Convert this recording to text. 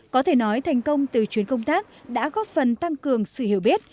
có thể nói thành công từ chuyến công tác đã góp phần tăng cường sự hiểu biết